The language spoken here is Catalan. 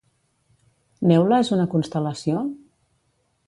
Neula és una constel·lació?